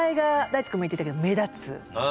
いちくんも言ってたけど目立つ。